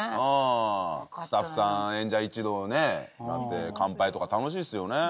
スタッフさん演者一同ね乾杯とか楽しいですよね。